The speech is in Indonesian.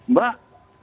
mbak gimana itu